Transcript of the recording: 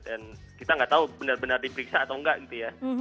dan kita nggak tahu benar benar diperiksa atau nggak gitu ya